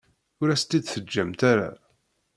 Ur as-tt-id-teǧǧamt ara.